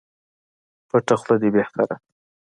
پټه خوله دي بهتري ده